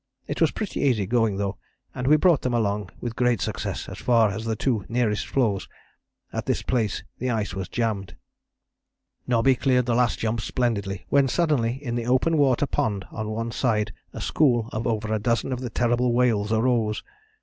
It was pretty easy going, though, and we brought them along with great success as far as the two nearest floes. At this place the ice was jambed. "Nobby cleared the last jump splendidly, when suddenly in the open water pond on one side a school of over a dozen of the terrible whales arose.